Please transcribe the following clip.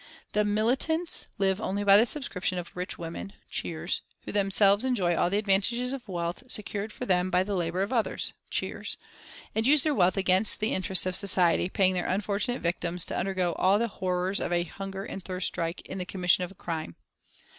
"The militants live only by the subscriptions of rich women" (cheers) "who themselves enjoy all the advantages of wealth secured for them by the labour of others" (cheers) "and use their wealth against the interests of society, paying their unfortunate victims to undergo all the horrors of a hunger and thirst strike in the commission of a crime.